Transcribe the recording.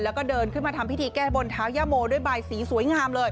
แล้วก็เดินขึ้นมาทำพิธีแก้บนเท้าย่าโมด้วยบายสีสวยงามเลย